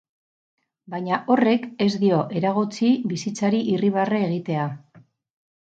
Baina horrek ez dio eragotzi bizitzari irribarre egitea.